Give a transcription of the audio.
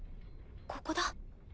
ここだ。